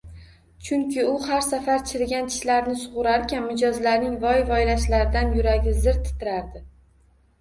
Chunki u har safar chirigan tishlarni sug‘urarkan, mijozlarining voy-voylashlaridan yuragi zir titrardi